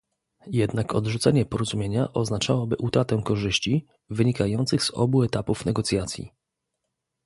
Jednak odrzucenie porozumienia oznaczałoby utratę korzyści, wynikających z obu etapów negocjacji